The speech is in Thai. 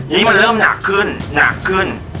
นี่มันเริ่มหนักขึ้นหนักขึ้น